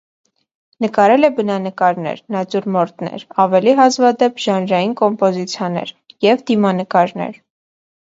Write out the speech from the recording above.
Նկարել է բնանկարներ, նատյուրմորտներ, ավելի հազվադեպ՝ ժանրային կոմպոզիցիաներ և դիմանկարներ։